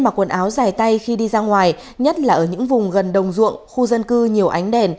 mặc quần áo dài tay khi đi ra ngoài nhất là ở những vùng gần đồng ruộng khu dân cư nhiều ánh đèn